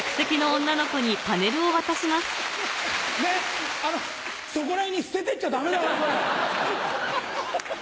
ねぇそこら辺に捨ててっちゃダメだからそれ。